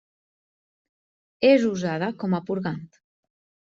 És usada com a purgant.